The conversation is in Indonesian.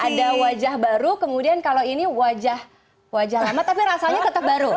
ada wajah baru kemudian kalau ini wajah lama tapi rasanya tetap baru